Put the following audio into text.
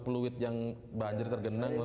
peluit yang banjir tergenang